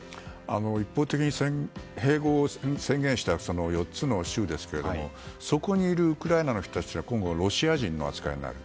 一方的に併合を宣言した４つの州ですがそこにいるウクライナの人たちは今後、ロシア人の扱いになる。